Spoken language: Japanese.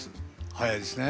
早いですね。